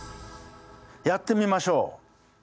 やってみましょう。